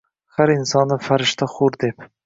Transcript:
Har insonni farishta-hur deb.